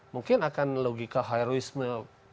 mungkin akan logika heroisme